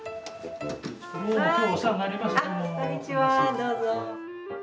どうぞ。